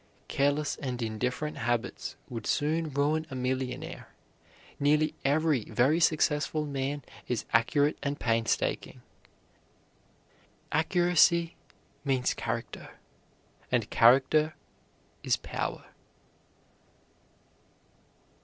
Careless and indifferent habits would soon ruin a millionaire. Nearly every very successful man is accurate and painstaking. Accuracy means character, and character is power.